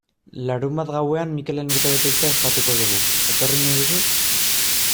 Larunbat gauean Mikelen urtebetetzea ospatuko dugu, etorri nahi duzu?